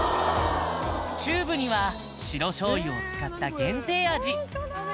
中部には白しょうゆを使った限定味